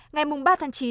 ngày ba tháng chín